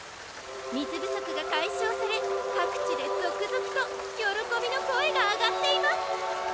水不足が解消され各地で続々と喜びの声が上がっています。